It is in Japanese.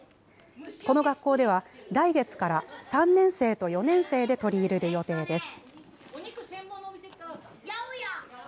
この学校では、来月から３年生と４年生で取り入れる予定です。